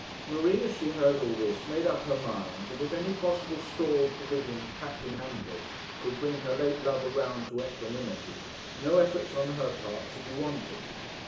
Marie, as she heard all this, made up her mind that if any possible store of provisions packed in hampers could bring her late lover round to equanimity, no efforts on her part should be wanting.